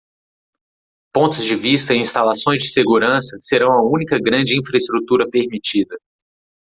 Pontos de vista e instalações de segurança serão a única grande infraestrutura permitida.